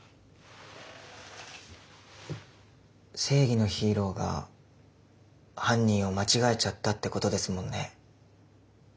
正義のヒーローが犯人を間違えちゃったってことですもんね。